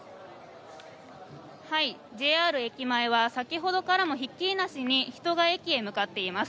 ＪＲ駅前は先ほどからもひっきりなしに人が駅へ向かっています。